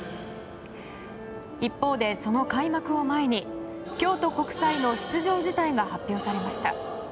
一方で、その開幕を前に京都国際の出場辞退が発表されました。